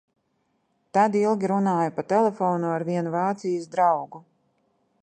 Tad ilgi runāju pa telefonu ar vienu Vācijas draugu.